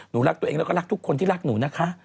รักตัวเองแล้วก็รักทุกคนที่รักหนูนะคะ